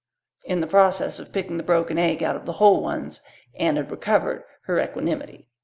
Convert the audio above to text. In the process of picking the broken egg out of the whole ones Anne had recovered her equanimity.